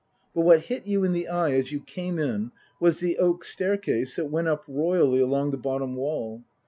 But what hit you in the eye as you came in was the oak staircase that went up royally along the bottom wall.